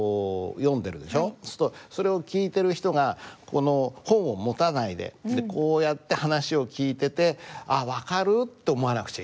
それを聞いてる人が本を持たないでこうやって話を聞いてて「あっ分かる！」と思わなくちゃいけない。